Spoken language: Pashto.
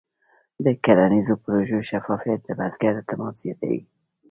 د کرنیزو پروژو شفافیت د بزګر اعتماد زیاتوي.